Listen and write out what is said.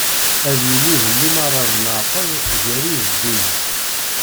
Ad yili d limaṛa n leɛqed gar-i d ddunit.